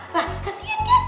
lah kasihan kan